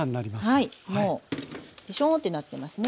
はいもうぺしょんってなってますね。